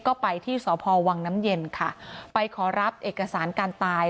ก็ไปที่สพวังน้ำเย็นค่ะไปขอรับเอกสารการตาย